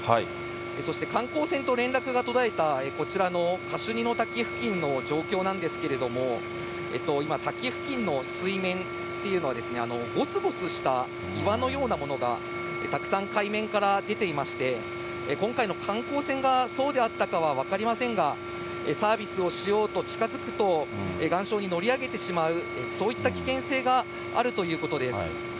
そして観光船と連絡が途絶えたこちらのカシュニの滝付近の状況なんですけれども、今、滝付近の水面というのはですね、ごつごつした岩のようなものがたくさん海面から出ていまして、今回の観光船がそうであったかは分かりませんが、サービスをしようと近づくと、岩礁に乗り上げてしまう、そういった危険性があるということです。